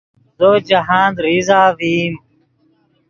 زو جاہند ریزہ ڤئیم